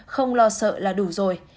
không lo sợ là đủ rồi